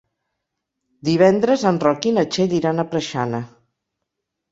Divendres en Roc i na Txell iran a Preixana.